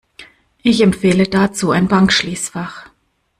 Ich empfehle dazu ein Bankschließfach.